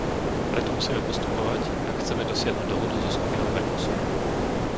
Preto musíme postupovať, ak chceme dosiahnuť dohodu so skupinou Mercosur.